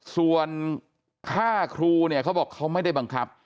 ส่วนค่าครูเนี่ยเขาบอกเขาไม่ได้บังคับ